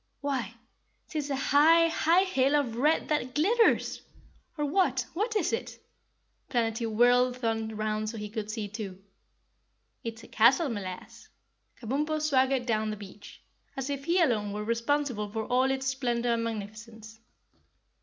"Why 'tis a high, high hill of red that glitters! Or what? What is it?" Planetty whirled Thun round so he could see, too. "It's a castle, m'lass." Kabumpo swaggered down the beach, as if he alone were responsible for all its splendor and magnificence.